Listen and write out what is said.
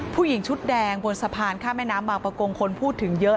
ผู้หญิงชุดแดงบนสะพานข้ามแม่น้ำบางประกงคนพูดถึงเยอะ